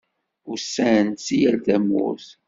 Usan-d si yal tamurt.